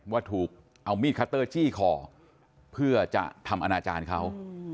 ว่าถูกเอามีดคัตเตอร์จี้คอเพื่อจะทำอนาจารย์เขา